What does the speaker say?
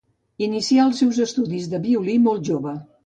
Inicià els seus estudis de violí molt jove.